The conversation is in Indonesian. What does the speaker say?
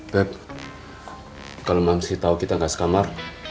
beb kalau mamski tahu kita nggak sekamar mamski sedih loh